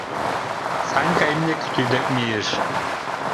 Санька имне кӱтӱ дек мийыш.